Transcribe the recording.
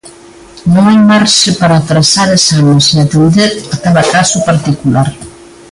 Non hai marxe para atrasar exames e atender a cada caso particular.